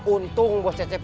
untung bos cecek mau bantu